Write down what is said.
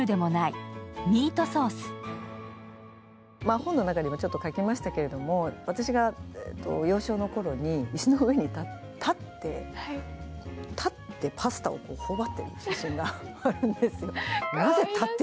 本の中にもちょっと書きましたけど私が幼少のときにいすの上に立ってパスタを頬張っている写真があるんです。